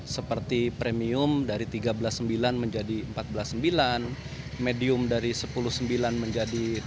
seperti premium dari tiga belas sembilan menjadi empat belas sembilan medium dari sepuluh sembilan menjadi dua belas lima